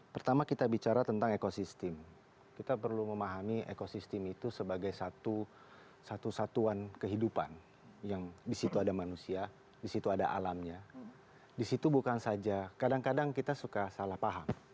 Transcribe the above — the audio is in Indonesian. pertama kita bicara tentang ekosistem kita perlu memahami ekosistem itu sebagai satu satuan kehidupan yang di situ ada manusia di situ ada alamnya disitu bukan saja kadang kadang kita suka salah paham